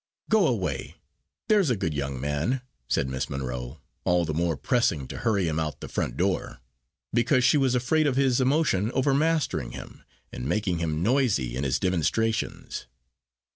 "Go away, there's a good young man," said Miss Monro, all the more pressing to hurry him out by the front door, because she was afraid of his emotion overmastering him, and making him noisy in his demonstrations.